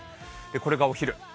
これがお昼。